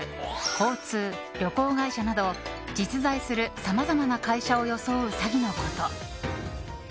交通、旅行会社など実在するさまざまな会社を装う詐欺のこと。